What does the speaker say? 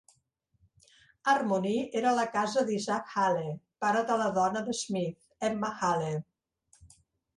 Harmony era la casa d'Isaac Hale, pare de la dona de Smith, Emma Hale.